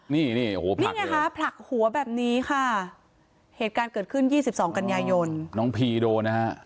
นี่นี่ไงคะผลักหัวแบบนี้ค่ะเหตุการณ์เกิดขึ้น๒๒กันยายนน้องพีโดนนะฮะ